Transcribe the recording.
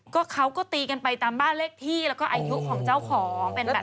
ก็เขาก็ตีกันไปตามบ้านเลขที่แล้วก็อายุของเจ้าของเป็นแบบ